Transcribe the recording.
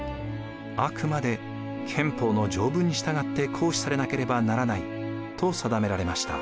あくまで憲法の条文にしたがって行使されなければならないと定められました。